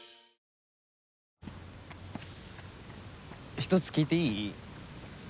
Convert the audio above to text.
一つ聞いていい？